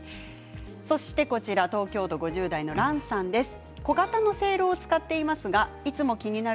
そしてこちら東京都５０代の方から質問です。